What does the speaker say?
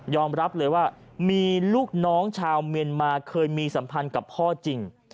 รับเลยว่ามีลูกน้องชาวเมียนมาเคยมีสัมพันธ์กับพ่อจริง